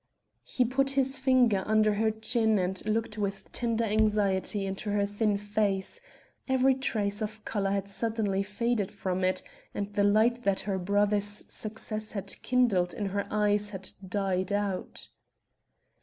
He put his finger under her chin and looked with tender anxiety into her thin face; every trace of color had suddenly faded from it, and the light that her brother's success had kindled in her eyes had died out.